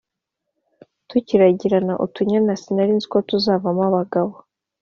Tukiragirana utunyana sinarinziko tuzavamo abagabo